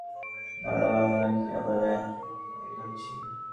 দাঁড়াও, আমরা কি আবার এক হচ্ছি?